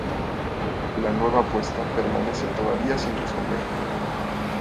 La nueva apuesta permanece todavía sin resolver.